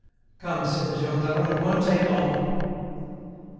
"Come," said the gendarme. "It won't take long."